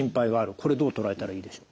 これどう捉えたらいいでしょう？